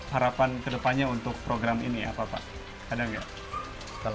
harapan kedepannya untuk program ini apa pak